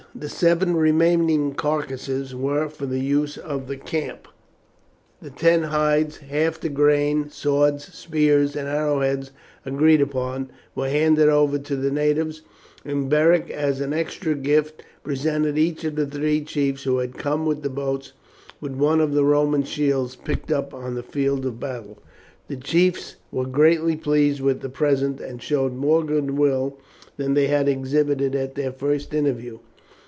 The seven remaining carcasses were for the use of the camp, the ten hides, half the grain, swords, spears, and arrowheads agreed upon, were handed over to the natives, and Beric, as an extra gift, presented each of the three chiefs who had come with the boats with one of the Roman shields, picked up on the field of battle. The chiefs were greatly pleased with the present, and showed more goodwill than they had exhibited at their first interview.